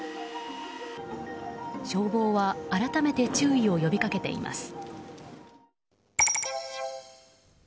消防は改めて注意を呼び掛けています。